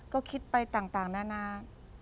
ก็คิดไปต่างนานา